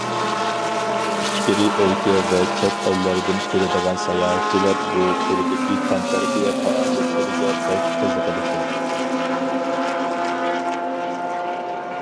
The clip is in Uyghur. ئىچكىرى ئۆلكە ۋە چەت ئەللەردىن كېلىدىغان ساياھەتچىلەر بۇ تۈردىكى تەنتەربىيە پائالىيەتلىرىگە بەك قىزىقىدىكەن.